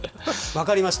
分かりました。